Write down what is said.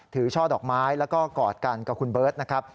ช่อดอกไม้แล้วก็กอดกันกับคุณเบิร์ตนะครับ